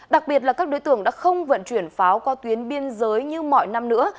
đặc biệt là các đối tượng đã không vận chuyển pháo qua tuyến biên giới như mọi năm nữa